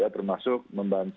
termasuk membantu mereka